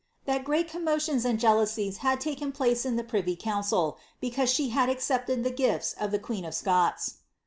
" that great coa lions and jealousies had laken place in the privy council, because had accepted the gifts of the queen of Scots."